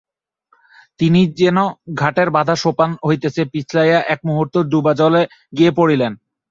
তিনি যেন ঘাটের বাঁধা সোপান হইতে পিছলিয়া একমুহূর্তে ডুবজলে গিয়া পড়িলেন।